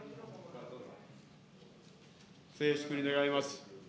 静粛に願います。